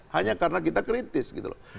hanya karena kita kritis gitu loh